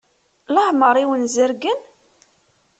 Leɛmeṛ i wen-zerrgen?